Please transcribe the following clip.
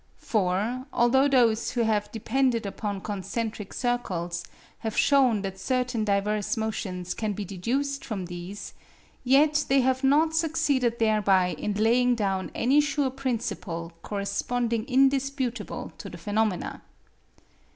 For, although those who have depended upon concentric circles have shown that certain diverse motions can be deduced from these, yet they have not succeeded thereby in laying down any sure principle, corresponding indisputably to the phenomena.